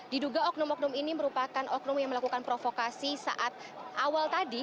diduga oknum oknum ini merupakan oknum yang melakukan provokasi saat awal tadi